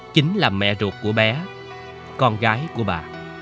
chính là mẹ ruột của bé con gái của bà